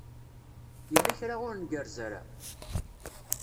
Yella kra ur ngerrez ara?